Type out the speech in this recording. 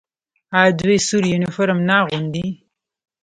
آیا دوی سور یونیفورم نه اغوندي؟